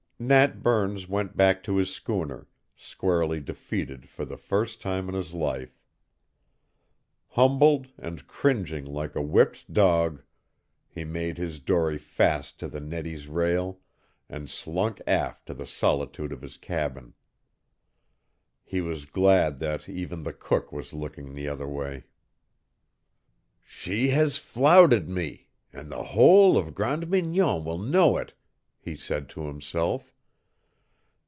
Nat Burns went back to his schooner, squarely defeated for the first time in his life. Humbled, and cringing like a whipped dog, he made his dory fast to the Nettie's rail and slunk aft to the solitude of his cabin. He was glad that even the cook was looking the other way. "She has flouted me, and the whole of Grande Mignon will know it," he said to himself.